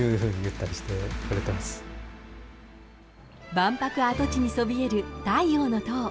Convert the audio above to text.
万博の跡地にそびえる太陽の塔。